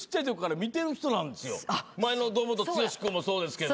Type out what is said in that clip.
前の堂本剛君もそうですけど。